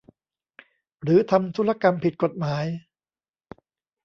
หรือทำธุรกรรมผิดกฎหมาย